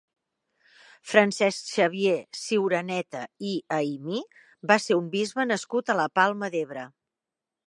Francesc Xavier Ciuraneta i Aymí va ser un bisbe nascut a la Palma d'Ebre.